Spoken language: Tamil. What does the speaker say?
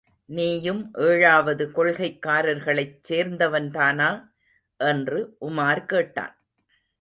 நீயும் ஏழாவது கொள்கைக்காரர்களைச் சேர்ந்தவன் தானா? என்று உமார் கேட்டான்.